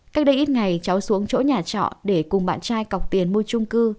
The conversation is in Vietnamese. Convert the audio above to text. cách đây ít ngày cháu xuống chỗ nhà trọ để cùng bạn trai cọc tiền mua trung cư